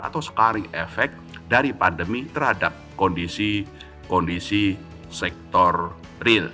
atau scarring effect dari pandemi terhadap kondisi sektor real